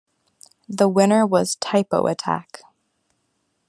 The winner was "Typo Attack".